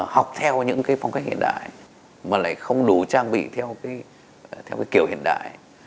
học theo những phong cách hiện đại mà lại không đủ trang bị theo cái kiểu hiện đại